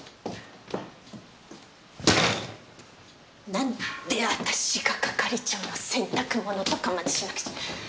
なんで私が係長の洗濯物とかまでしなくちゃ。